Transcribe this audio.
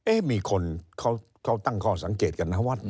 มีคนเขาตั้งข้อสังเกตกันนะว่า